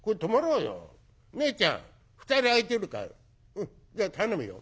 うんじゃ頼むよ。